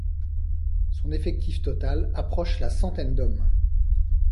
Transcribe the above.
Son effectif total approche la centaine d'hommes.